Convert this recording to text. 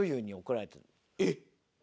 えっ。